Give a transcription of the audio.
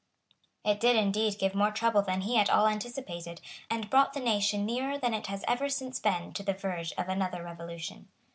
It did indeed give more trouble than he at all anticipated, and brought the nation nearer than it has ever since been to the verge of another revolution.